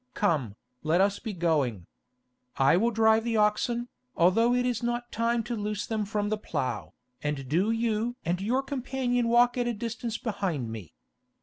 Come, let us be going. I will drive the oxen, although it is not time to loose them from the plough, and do you and your companion walk at a distance behind me.